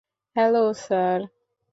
Hello, sir.